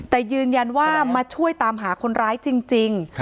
แต่ยืนยันว่ามาช่วยตามหาคนร้ายจริง